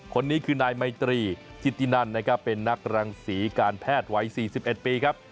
คนนี้คือนายไมตรีจิตินันเป็นนักรังศือการแพทย์ไว้๔๑ปีครับ